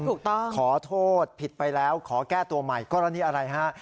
ถูกต้องขอโทษผิดไปแล้วขอแก้ตัวใหม่กรณีอะไรฮะ